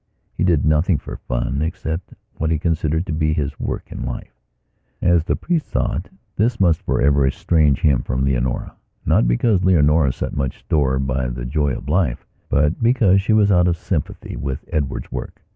He did nothing for fun except what he considered to be his work in life. As the priest saw it, this must for ever estrange him from Leonoranot because Leonora set much store by the joy of life, but because she was out of sympathy with Edward's work.